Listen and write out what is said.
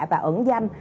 và ẩn danh